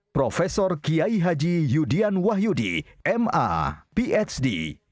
prof kiai haji yudian wahyudi ma phd